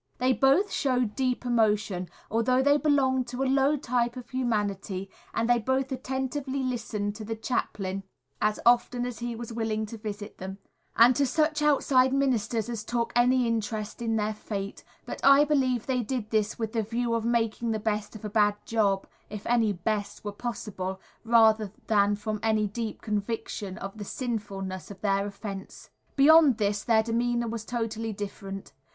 They both showed deep emotion, although they belonged to a low type of humanity, and they both attentively listened to the chaplain as often as he was willing to visit them, and to such outside ministers as took any interest in their fate, but I believe they did this with the view of making the best of a bad job if any "best" were possible rather than from any deep conviction of the sinfulness of their offence. Beyond this, their demeanour was totally different.